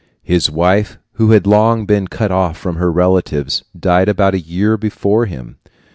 His wife, who had long been cut off from her relatives, died about a year before him.